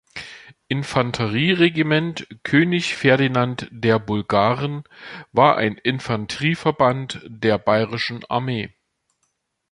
Infanterie-Regiment „König Ferdinand der Bulgaren“ war ein Infanterieverband der Bayerischen Armee.